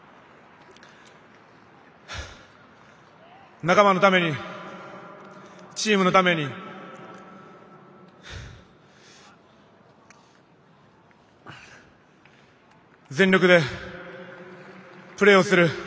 仲間のためにチームのために全力でプレーをする。